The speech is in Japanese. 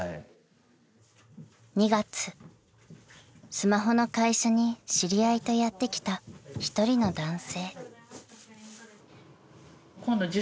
［スマホの会社に知り合いとやって来た１人の男性］